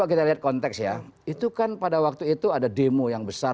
itu kan pada waktu itu ada demo yang besar